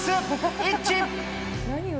イッチ。